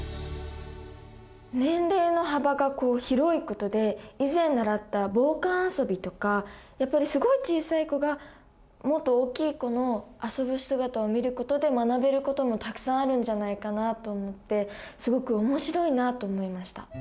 年齢の幅が広いことで以前習った傍観遊びとかやっぱりすごい小さい子がもっと大きい子の遊ぶ姿を見ることで学べることもたくさんあるんじゃないかなと思ってすごく面白いなあと思いました。